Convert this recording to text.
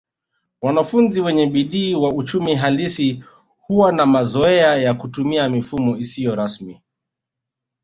Wanafunzi wenye bidii wa uchumi halisi huwa na mazoea ya kutumia mifumo isiyo rasmi